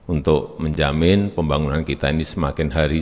untuk menjamin pembangunan kita ini semakin hari